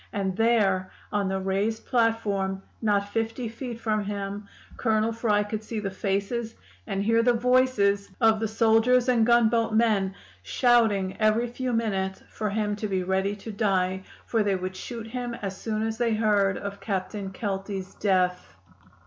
And there, on the raised platform, not fifty feet from him, Colonel Fry could see the faces and hear the voices of the soldiers and gunboat men, shouting every few minutes for him to be ready to die, for they would shoot him as soon as they heard of Captain Kelty's death.